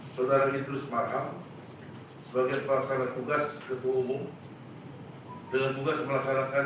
saudara saudara itu semangat sebagai paksana tugas ketua umum dengan tugas melaksanakan